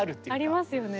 ありますよね。